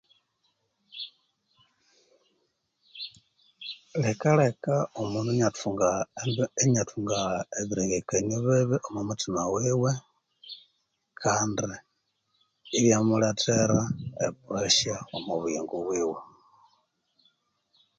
Likaleka omundu inyathunga embi, inyathunga ebi rengekanio bibi omu muthima wiwe kandi iya mulethera e presha omu buyingo bwiwe